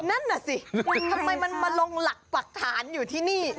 นั่นน่ะสิทำไมมันมาลงหลักปรักฐานอยู่ที่นี่